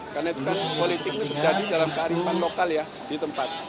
karena itu kan politiknya terjadi dalam kearifan lokal ya di tempat